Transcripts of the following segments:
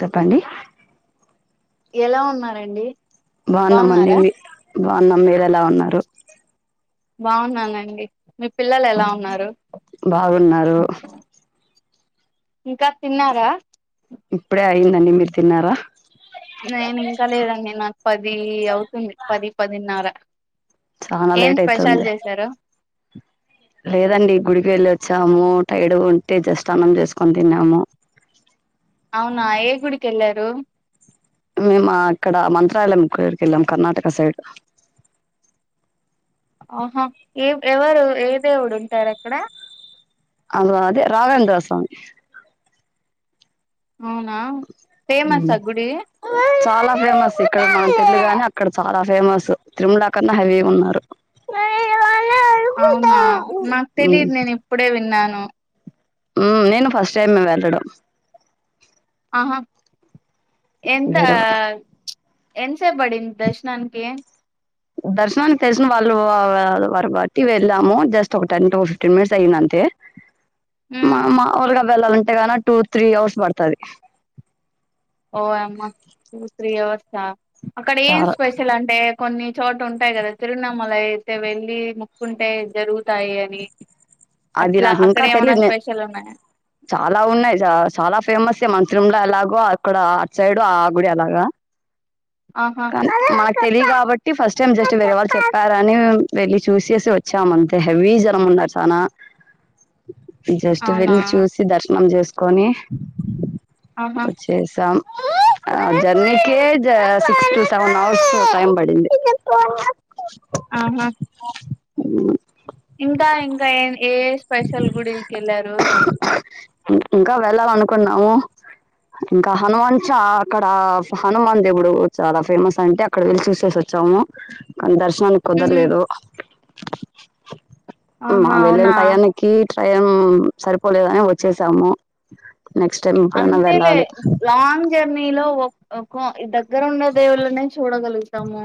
చెప్పండి ఎలా ఉన్నారండి బావున్నాం అండి బాగున్నారా మీ బావున్నాం మీర ఎ లా ఉన్నారు బావున్నానండి మీ పిల్లలు ఎలా ఉన్నారు బాగున్నారు ఇంకా తిన్నారా ఇప్పుడే అయ్యింది అండి మీరు తిన్నారా నేను ఇంకా లేదండి నాకు పది అవుతుంది పది పదిన్నర చానా ఏం లేట్ స్పెషల్ అయితుంది చేశారు లేదండి గుడికి వెల్లొ వచ్చాము టైడ్ గుంటే జస్ట్ అన్నం చేసుకొని తిన్నాము అవునా ఏ గుడికెళ్ళారు మేము ఆ అక్కడ మంత్రాలయం కూడ కి వెళ్ళాం కర్ణాటక సైడ్ ఆహా ఏ ఎవరు ఏ దేవుడు ఉంటారు అక్కడ అద అదే రాఘవేంద్ర స్వామి అవునా ఫేమస్ ఆ గుడి చాలా ఫేమస్ ఇక్కడ మనక్ తెలదు గాని అక్కడ చాలా ఫేమస్ తిరుమల కన్నా హెవీ ఉన్నారు అవునా నాకు తెలిదు నేను ఇప్పుడే విన్నాను మ్ నేను ఫస్ట్ టైమ్ ఎ వెళ్ళడం అహా ఎంతా వేరే వా ఎన్సేపు పడింది దర్శనాన్కి దర్శనానికి తెలిసిన వాళ్ళు వర బట్టి వెళ్ళాము జస్ట్ ఒక టెన్ టు ఫిఫ్టీన్ మినిట్స్ అయ్యిందంతే హ్మ్. మా మా వెళ్ళాలంటేగాన టూ త్రీ అవర్స్ పడతాది ఓ యమ్మా టూ త్రీ అవర్స్ ఆ అక్కడ ఏం చాలా స్పెషల్ అంటే కొన్ని చోట ఉంటాయి కదా తిరునామల అయితే వెళ్ళి మొక్కుంటే జరుగుతాయి అని అది అట్లా నాకు అక్కడ ఇంకా ఏమైనా తెలీదు నే స్పెషల్ ఉన్నాయా చాలా ఉన్నాయి చ చాలా ఫేమస్ ఏ మన తిరు ఎలాగో అక్కడ ఆ అటు సైడు ఆ గుడి అలాగా ఆహా కానీ మా తెలిదు కాబట్టి ఫస్ట్ టైం జస్ట్ వేరే వాళ్ళు చెప్పారని వెళ్ళి చూసేసి వచ్చాం అంతే హెవీ జనం ఉన్నారు చానా జస్ట్ అవునా వెళ్లి చూసి దర్శనం చేసు కోనీ ఆహా వచ్చేసాం ఆ జన్మకే జ six to seven hours time పడింది ఆహా అ ఇంకా ఇంకా ఏ ఏ స్పెషల్ గుడికి వెళ్ళారు ఇంకా వెళ్ళాల అనుకున్నాము ఇంకా హనుమాన్ చ అక్కడ హనుమాన్ దేవుడు చాలా ఫేమస్ అంటే అక్కడ వెళ్ళి చూసే వచ్చాము దర్శ న ఉహు కుదలేదు ఆహా వెళ్ళిన అవునా టయానికి ట్రైన్ సరిపోలేదని వచ్చేసాము నెక్స్ట్ టైం ఎప్పుడైనా అంతే లే వెళ్ళాలి లాంగ్ జర్నీలో ఇద్ద దగ్గర ఉన్న దేవుళ్ళనే చూడగల సము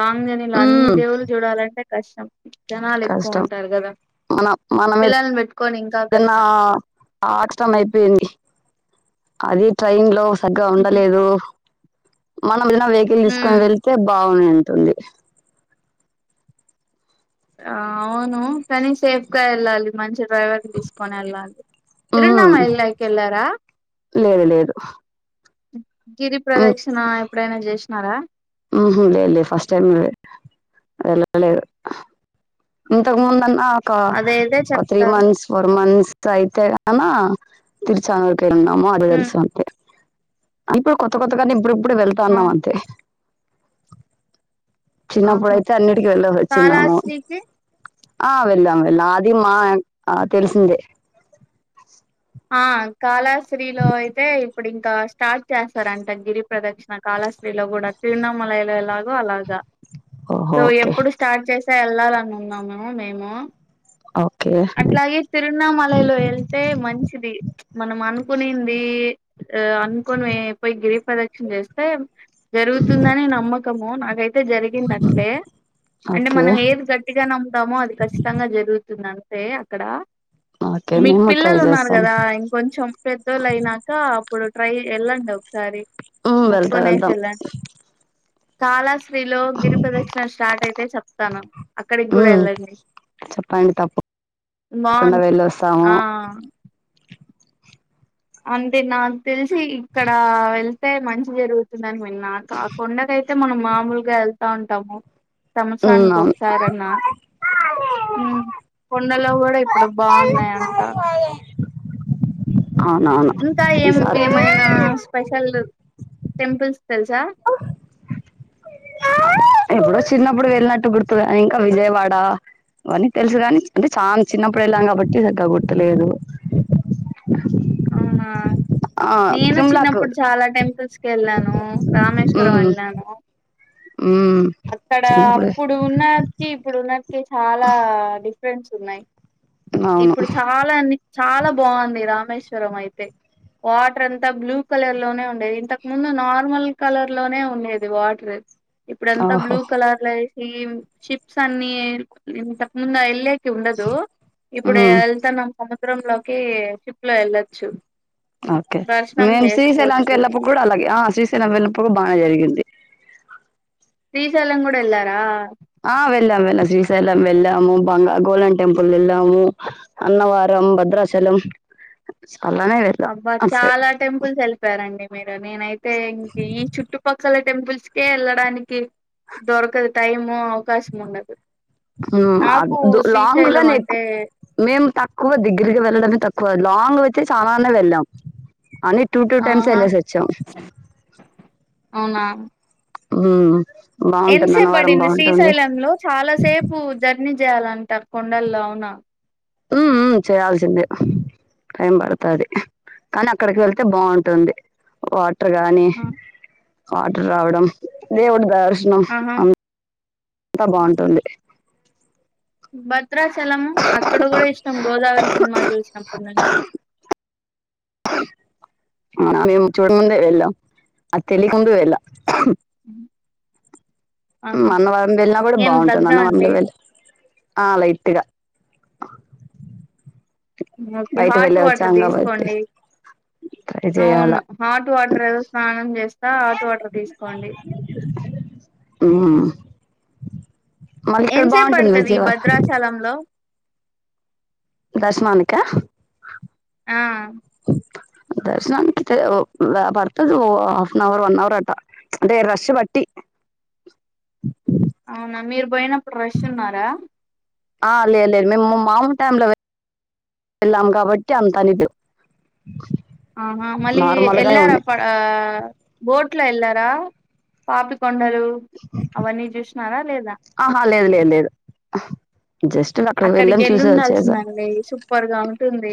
లాంగ్ జర్నీ లో అన్ని ఉమ్ దేవులు చూడాలంటే కష్టం జనాలు ఎక్కువ కష్టం ఉంటారు కదా మన మన మీద పిల్లల్ని పెట్టుకొని ఇంకా ఏదన్నా కష్టం ఆ కష్టం అయిపోయింది అదే ట్రైన్ లో సరీగ్గా ఉహు ఉండలేదు మన వెహికల్ తీసుకొని ఉమ్ వెళ్తే బాగును తుంది ఆ అవును కానీ సేఫ్గా వెళ్ళాలి మంచిగా డ్రైవర్ తీసుకని ఎలాలి ఉమ్, తిరున్నమ ఎల్లర లేదు లేదు గిరి ప్రదక్షిణ ఎప్పుడైనా చేస్త న్నారా ఉ లే లేదు ఫస్ట్ టైమ్ ఇవే ఇంకా వెళ్లలేదు ఇంతకు ముంద అన్న ఒక అదేదే ఒక త్రీ చెప్తారు మంత్స్ ఫోర్ మంత్స్ సైతేనా తిరుచాను న్నామో అది ఉమ్ తెలుసు అంతే అప్పుడు కొత కొతకని ఇప్పుడు ఇప్పుడు వెళ్తాన్నాం అవును అంతే ఆహా చిన్నప్పుడయితే అన్నిటికి వెళ్లేసి వచ్చిన్నాము. కాళాశ్రీకి ఆ వెళ్ళాం వెళ్ళాం అది మా ఆ తెలిసిందే ఆ కాళాశ్రీలో అయితే ఇప్పుడు ఇంకా స్టార్ట్ చేస్తారంట గిరి ప్రదక్షిణ కాళాశ్రీలో కూడా తిరుణమలలో లాగో అలాగా ఓహో సో ఓకే ఎప్పుడు స్టార్ట్ చేసా వెళ్ళాలనున్నాము మేము ఓ అట్లాగే తిరుణమలైలో వెళ్తే మంచిది మనం అనుకునింది అనుకోని పోయి గరిప్ ప్రదక్షిణ చేస్తే జరుగుతుందని నమ్మకము నాకు అ జరిగినట్లే అంటే ఓకే మనం ఏది గట్టిగా నమ్ముతామో అది కచ్చితంగా జరుగు న్నా రే అక్కడ ఓకే మీకు మేము ట్రై పిల్లలు ఉన్నారు చేస్తాం కదా ఇంకొంచెం పెద్దోళ్ళు అయినాక అప్పుడు ట్రై ఏళ్లండి ఒక సారి ఉమ్, వెళ్తాం ముక్కొనేసి వెళ్తాం వెళ్ళండి కాల హ స్త్రీలో గిరి ప్రదక్షిణ స్టార్ట్ అయితే చెప్తాను అక్కడికి కూడా వెళ్ళండి తప్పకుండా బాగుంటు వెళ్ళొస్తాము ఆ అంతే నాకు తెలిసి ఇక్కడ వెళ్తే మంచి జరుగుతుందని విన్నా కాకుండడాక అయితే మనం మామూలుగా వెళ్తా ఉంటాము ఉమ్ సంవత్సరానికి అవును కొకసారి అన్న కొండలో కూడా ఇప్పుడు బాగున్నాయ అంట అవునవును ఇంకా ఏం ఈసారి ఏమైనా స్పెషల్ టెంపుల్స్ తెలుసా ఎప్పుడో చిన్నప్పుడు వెళ్ళినట్టు గుర్తు కానీ ఇంకా విజయవాడ అవన్నీ తెలుసు కాని అంటే చాన చిన్నప్పుడు వెళ్ళాం కాబట్టి సగ్గా గుర్తులేదు ఆ ఆ నేను తిరుమలకు చిన్నప్పుడు చాలా టెంపుల్స్ కి వెళ్ళాను రామేశ్వరం ఉమ్ వెళ్ళాను ఉమ్ అక్కడ చిన్నప్పుడే అప్పుడు ఉన్నకి ఇప్పుడు ఉన్న కె చాలా స్పెక్ట్స్ ఉన్నాయి అవును ఇప్పుడు చాలా అండి చాలా బాగుంది రామష్ తర అయితే వాటర్ అంతా బ్లూ కలర్ లోనే ఉండేది ఇంతకు ముందు నార్మల్ కలర్ లోనే ఉండేది వాటర్ ఇప్పుడ ఎంత ఓహో బ్లూ కలర్ల ఈ షిప్స్ అన్ని ఇంతకు ముందు వెళ్ళ ఉండదు ఇప్పుడు ఉమ్ వెళ్తన్నాం సమస్ సముద్రంలోకి షిప్ లో వెళ్ళచ్చు చు ఓకే మేం శ్రీశైలానికి వెళ్ళప్పు కూడా అలాగే ఆ శ్రీశైలం వెల్ళప్పు బాగా జరిగింది శ్రీశైలం కూడా ఎల్లారా ఆ వెళ్ళాం వెళ్ళాం శ్రీశైలం వెళ్ళాము బంగా బాగా గోల్డెన్ టెంపుల్ వెళ్ళాము అన్నవారం భద్రాచలం చాలానే వెళ్ళాం అబ్బా అటు సైడ్ చాలా టెంపుల్స్ వెళ్ళిపోయరండి మీరు నేనైతే ఇ ఈ చుట్టుపక్కల టెంపుల్స్కే యెళ్ళడానికి దొరకదు టైము అవకాశం ఉండదు ఉమ్ ఆ నాకు దు లాంగ్ శ్రీశైలం గానే ఎక్కువ అంటే మేము తక్కువ దగ్గరికి వెళ్ళడమే తక్కువ క్కువ లాంగ్ అయితే చాలనే వెళ్ళం అని టూ టూ టైమ్స్ ఆహా వెళ్లేసి వచ్చాం ఉం ఎంత సేపడింది శశ్రీశైలం లో చాలాసేపు జర్నీ చేయాలంట తప్పకుండాల్లో కూడా అవునా ఉమ్ ఉమ్ చేయాల్సిందే టైం పడుతుంది కానీ అక్కడికి వెళ్తే బాగుంటుంది వా టార్ గాని ఆ వాటర్ రావడం దేవుడు దర్శ ర్శనం ఆహా అన్ అంత బాగుంటుంది భద్రాచలము అక్కడ కూడా ఇష్టం గోదావరి సినిమా చూసినప్పటి నుంచి అవున మేము చూడముందే వెళ్ళాం అ తెలియకుందు వెళ్ళాం ఆహా అన్నవరం వెళ్ళినా కూడా ఏం బాగుంటుంది దగ్గా అన్నవరంలో అండి వెళ్ళ ఆ లైట్ గా ఓకే బయట హాట్ వెళ్ళి వాటర్ వచ్చాం కాబట్టి తీసుకోండి ట్రై అవును చేయాలా హాట్ వాటర్ ఏదో స్నానం చేస్తా హాట్ వాటర్ తీసుకోండి ఉమ్ మళ్ళీ ఇక్కడ ఎంచెపు బాగుంటుంది పడ్తది ఈ విజయవాడ భద్రాచలంలో దర్శమానిక ఆ దర్శననికితే ఓ ఆ పడుతుది half an hour one hour అటా అంటే రష్ పట్టి అవునా మీరు పోయినప్పుడు రష్ ఉన్నారా ఆ లేదు లేదు మేము మాముూ టైంలో వెళ్ళాం కాబట్టి అంతనిటి ఆహా మళ్ళీ ఎలార ఉంది ప ఆ బోట్ లో ఎలార పాపు కొండలు అవన్నీ చూసినారా లేదా దు లేదలేదు అక్కడికి వెళ్ళి ఉండాల్సిందండి సూపర్గా ఉంటుంది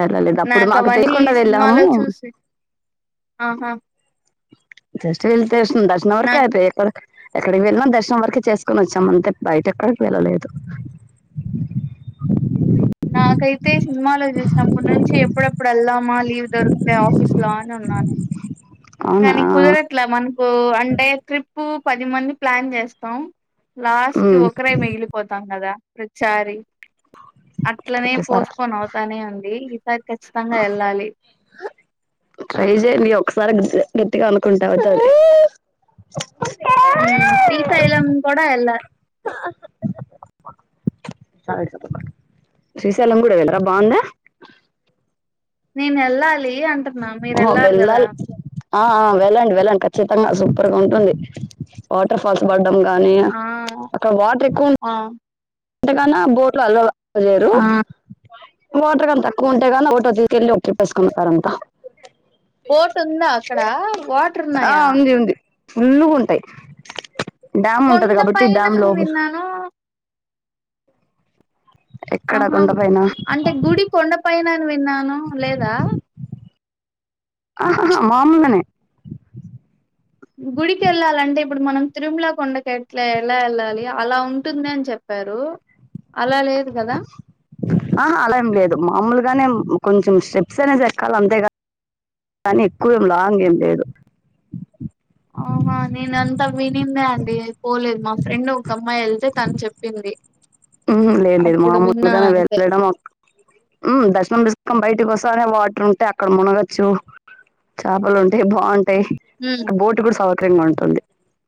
వెళ్ళలేదు అప్పుడు నాకు మాకు అవన్నీ ఈ తెలియకుండా సినిమాలో వెళ్ళాము చూసి ఆహా జస్ట్ వీల్స్ దర్శనం వరకే నాకు అయిపోయ య్యప్ప ఎక్కడికి వెళ్ళిన దర్శనం వరకు చేసుకొని వచ్చాం అంతే బయట ఎక్కడికి వెళ్ళలేదు నాకైతే సినిమాలో చూసినప్పుడు నుంచి ఎప్పుడెప్పుడు వెళ్లామా లీవ్ దొరికితే ఆఫీస్ లో అని ఉన్నాను అవునా కానీ కుదరట్ల మాన్ మకు అంటే ట్రిప్పు పది మంది ప్లాన్ చేస్తాం లాస్ట్ కి ఉమ్ ఒకరే మిగిలిపోతాం కదా ప్రతిసారి అట్లనే ప్రతిసారి పోస్ట్పోన్ అవుతానే ఉంది ఈసారి ఖచ్చితంగా వెళ్ళాలి ట్రై చేయండి ఒకసారి గట్టిగా అనుకుంటా అవుతది ఉ శ్రీశైలం కూడా ఎలా శ్రీశైాలం కూడా వెళ్ళావా బాగుందా నేను వెళ్ళాలి అంటున్న ఓ వెళ్లాలి ఆ వెళ్ళండి వెళ్ళండి ఖచ్చితంగా సూపర్ గా ఉంటుంది వాటర్ ఫాల్స్ బ గాని ఆ అక్కడ వాటర్ ఎక్కువ ఆ ఎంతకన్నా బోట్లు ఇయరు ఆ వాఓటర్ కానీ తక్కువ ఉంటే కానీ ఒకటో తీసుకెళ్ళి ఒక చెప్పేసుకుంటారంట బోట్ ఉందా అక్కడ వాటర్ ఉన్నాయా ఫుల్ గా ఉంటాయి డ్యామ్ ఉంటది కొండ కాబట్టి పైన డ్యామ్ లో అని విన్నాను ఎక్కడ ఆహా కొండ పైన అంటే గుడి కొండపైనను అని విన్నాను లేదా హా హా మామూలుగానే గుడికి వెళ్ళాలంటే ఇప్పుడు మనం తిరుమల కొండకట్ల ఎలా వెళ్ళాలి అలా ఉంటుంది అని చెప్పారు అలా లేద ఆా అలాం లేదు మామూలుగానే కొంచెం స్టెప్స్ అనేసి ఎక్కాలి అంతేగానీ కానీ ఎక్కువేం లాంగ్ ఏం లేదు అహ నేన అంతా వినిందే అండి పోలేదు మా ఫ్రెండ్ ఒక అమ్మాయి వెళ్తే తను చెప్పింది ఊహు లేదు లేదు అప్పుడు విన్నా మామూలుగానే అంతే వెళ్ళడం ఊ దర్శనం చేసుకొని బయట ఇటి వస్తానే వాటర్ ఉంటేయి అక్కడ మునగచ్చు చేపలు ఉంటాయి బాగుంటా టే ఉమ్ ఇక బోట్ కూడా సౌ కరంగా ఉంటుంది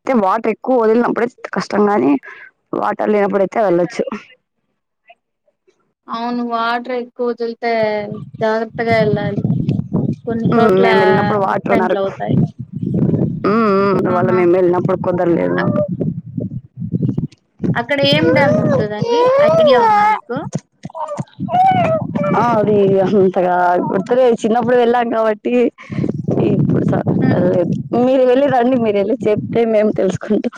అయితే వాటర్ ఎక్కువ వదిలినప్పుడే కష్టంగా ని వాటర్ లేనప్పుడయితే యల్లొచ్చు అవును వాటర్ ఎక్కువ వదిలితే జాగ్రత్తగా ఎళ్ళాలి మేము వెళ్ళినప్పుడు వాటర్ ఉన్నారు అవుతాయి అ ఉ ఉ వాళ్లు ఆహా మీ వెళ్లినప్పుడు కుదరలేదు అక్కడ ఏం డ్యామ్ ఉంటుందండి ఐడియా ఉందా మీకు ఆ ఆది అంతగా గుర్తు లేదు చిన్నప్పుడు వెళ్ళాం కాబట్టి ఈ హ్మ్. [unintelligible] మీరు రాండి మీరు వెళ్ళి చెప్తే మేము తెలుసుకుంటాం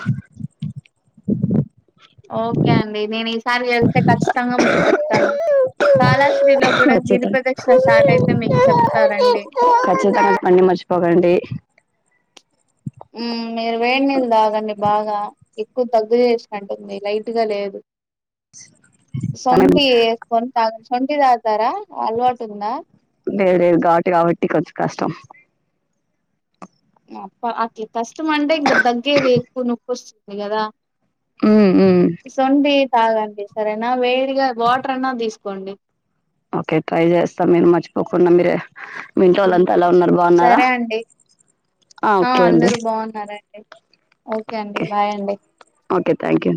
ఓకే అండి నేను ఈ సారి వెళ్తే ఖచ్చితంగా మీకు చెప్తాను కాళాశ్రీలో కూడా ఖచ్చితంగా గిరిపదక్షిణ స్టార్ట్ అయితే మీకు చెప్తారంండి ఖచ్చితంగా రండి మర్చిపోకండి మీరు వేడి నీళ్లు తాగండి బాగా ఎక్కువ తగ్గు చేసినంటుంది లైట్ గా లేదు సండే [unintelligible] టీ తాగుతారా అల్వాటుంద లేేరు లేేరు ఘాటు కాబట్టి కొంచెం కష్టం ప్ప అట్లా కష్టం అంటే ఇంకా తగ్గేది ఎక్కువ నొప్ప వస్తుంది కదా మ్మ్ హ్మ్ సొంటి తాగండి సరేనా వేడిగా వాటర్ అన్నా తీసుకోండి ఓకే ట్రై చేస్తా మీరు మర్చిపోకుండా మీరే మీట్ ఉమ్, వాళ్ళంతా అలా ఉన్నారు బాగున్నారా సరే అండి ఆ ఓకే అండి అ కే ఓకే థ్యాంక్ యూ